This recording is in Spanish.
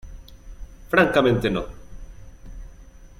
francamente no.